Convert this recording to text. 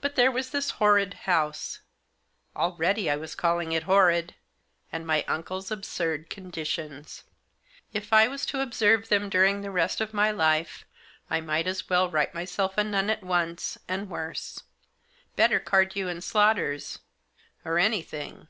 But there was this horrid house — already I was calling it horrid — and my uncle's absurd conditions. If I was to observe them during the rest of my life I might as well write myself a nun at once, and worse. Better Cardew & Slaughter's — or anything.